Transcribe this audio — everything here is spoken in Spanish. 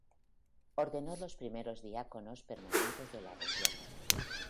Ordenó los primeros diáconos permanentes de la región.